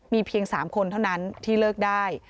มีเพียง๓คนเท่านั้นที่เลิกได้